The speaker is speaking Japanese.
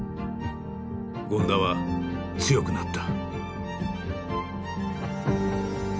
権田は強くなった。